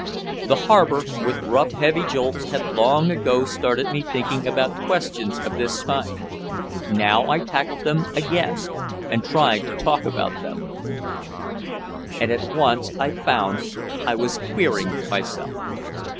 The harbor with rough heavy jolts had long ago started me thinking about questions of this kind. Now I tackled them again and tried to talk about them. And at once I found I was "queering" myself.